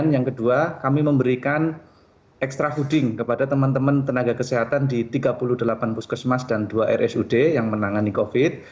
yang kedua kami memberikan extra hooding kepada teman teman tenaga kesehatan di tiga puluh delapan puskesmas dan dua rsud yang menangani covid